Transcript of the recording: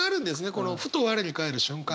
このふと我に返る瞬間。